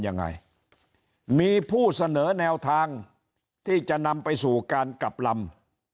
ยังไงมีผู้เสนอแนวทางที่จะนำไปสู่การกลับลำ